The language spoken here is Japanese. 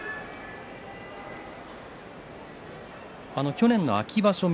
去年の秋場所、翠